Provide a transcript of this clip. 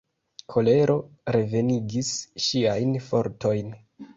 Kolero revenigis ŝiajn fortojn.